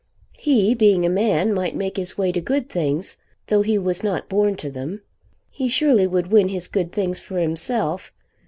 He being a man might make his way to good things though he was not born to them. He surely would win his good things for himself.